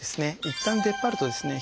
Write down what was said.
いったん出っ張るとですね